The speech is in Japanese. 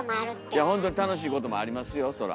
いやほんとに楽しいこともありますよそら。